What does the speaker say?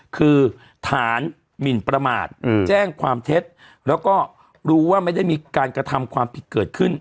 คือฐานหมินประมาทแจ้งความเท็จแล้วก็รู้ว่าไม่ได้มีการกระทำความผิดเกิดขึ้น